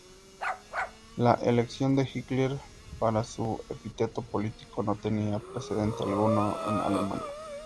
La elección de Hitler para su epíteto político no tenía precedente alguno en Alemania.